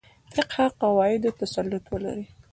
فقهي قواعدو تسلط ولري.